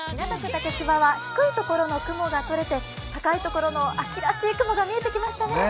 竹芝は低いところの雲がとれて高いところの秋らしい雲が見えてきましたね。